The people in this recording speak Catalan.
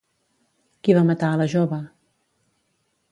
Qui va matar a la jove?